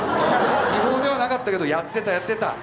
違法ではなかったけどやってたやってた。